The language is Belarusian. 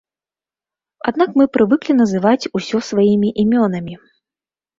Аднак мы прывыклі называць усё сваімі імёнамі!